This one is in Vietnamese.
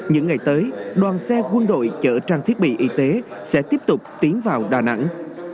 những ngày tới đoàn xe quân đội chở trang thiết bị y tế sẽ tiếp tục tiến vào đà nẵng